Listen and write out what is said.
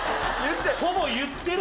ほぼ言ってる。